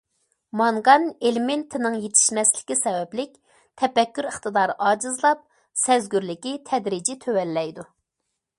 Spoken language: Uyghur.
مانگان ئېلېمېنتىنىڭ يېتىشمەسلىكى سەۋەبلىك تەپەككۇر ئىقتىدارى ئاجىزلاپ، سەزگۈرلۈكى تەدرىجىي تۆۋەنلەيدۇ.